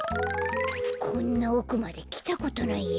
こんなおくまできたことないや。